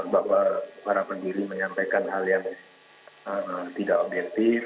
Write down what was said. bahwa para pendiri menyampaikan hal yang tidak objektif